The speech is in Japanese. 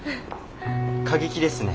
過激ですね。